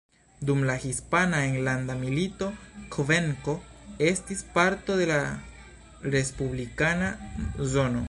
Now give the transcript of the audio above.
Dum la Hispana Enlanda Milito, Kvenko estis parto de la respublikana zono.